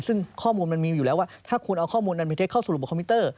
ซึ่งข้อมูลมันมีอยู่แล้วว่าถ้าคุณเอาข้อมูลอันเป็นเท็จเข้าสรุปคอมพิวเตอร์